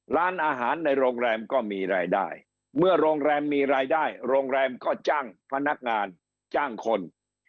ร้านอาหารในโรงแรมก็มีรายได้เมื่อโรงแรมมีรายได้โรงแรมก็จ้างพนักงานจ้างคน